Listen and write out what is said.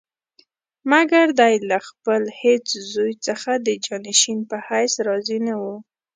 مګر دی له خپل هېڅ زوی څخه د جانشین په حیث راضي نه وو.